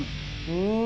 うん。